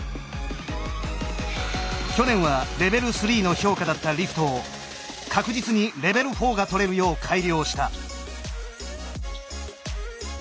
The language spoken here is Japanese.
去年はレベル３の評価だったリフトを確実にレベル４が取れるよう改良した。